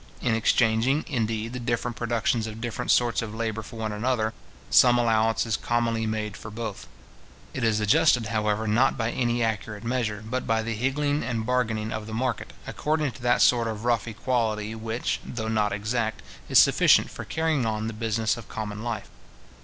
In exchanging, indeed, the different productions of different sorts of labour for one another, some allowance is commonly made for both. It is adjusted, however, not by any accurate measure, but by the higgling and bargaining of the market, according to that sort of rough equality which, though not exact, is sufficient for carrying on the business of common life.